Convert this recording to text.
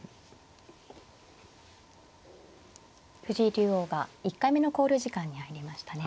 藤井竜王が１回目の考慮時間に入りましたね。